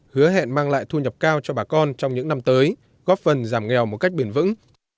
hứa hẹn mang lại thu nhập cao cho bà con trong những năm tới góp phần giảm nghèo một cách bền vững